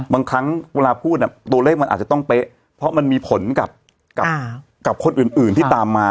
บางครั้งเวลาพูดตัวเลขมันอาจจะต้องเป๊ะเพราะมันมีผลกับคนอื่นที่ตามมา